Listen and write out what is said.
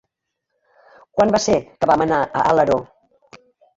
Quan va ser que vam anar a Alaró?